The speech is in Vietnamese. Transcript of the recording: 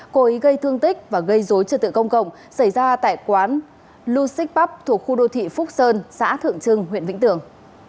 cố ý gây thương tích và gây dối trực tượng công cộng xảy ra tại quán lusik pub thuộc khu đô thị phúc sơn xã thượng trưng huyện vĩnh tường